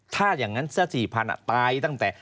ถ้าอย่างนั้นซะ๔๐๐ตายตั้งแต่